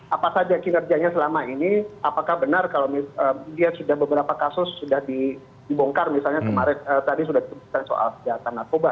apa saja kinerjanya selama ini apakah benar kalau dia sudah beberapa kasus sudah dibongkar misalnya kemarin tadi sudah disebutkan soal senjata narkoba